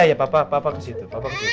iya iya papa kesitu